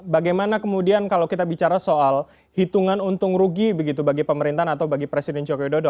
bagaimana kemudian kalau kita bicara soal hitungan untung rugi begitu bagi pemerintahan atau bagi presiden joko widodo